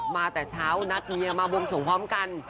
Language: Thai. มาแต่เช้านัดเมียมาวงสวงพร้อมกัน